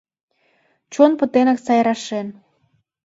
Чон пытенак сайрашен